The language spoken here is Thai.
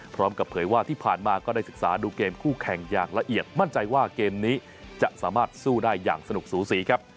เผยว่าที่ผ่านมาก็ได้ศึกษาดูเกมคู่แข่งอย่างละเอียดมั่นใจว่าเกมนี้จะสามารถสู้ได้อย่างสนุกสูสีครับ